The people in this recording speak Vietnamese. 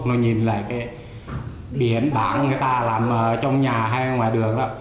nó nhìn lại cái biển bản người ta làm trong nhà hay ngoài đường đó